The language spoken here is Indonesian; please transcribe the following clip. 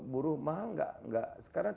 buruh mahal sekarang